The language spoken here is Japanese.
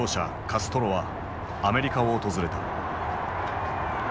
カストロはアメリカを訪れた。